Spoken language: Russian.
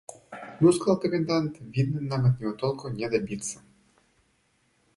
«Ну, – сказал комендант, – видно, нам от него толку не добиться.